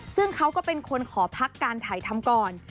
ซึ่งเขาก็เป็นคนขอพักการถ่ายทำก่อน